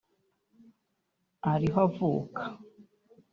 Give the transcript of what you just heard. ari aho avuka